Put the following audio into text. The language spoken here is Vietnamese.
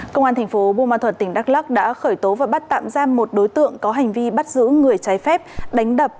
công an tp buôn ma thuật tỉnh đắk lắk đã khởi tố và bắt tạm giam một đối tượng có hành vi bắt giữ người trái phép đánh đập